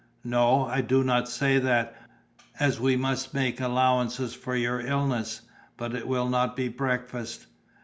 "No, I do not say that, as we must make allowances for your illness; but it will not be breakfast."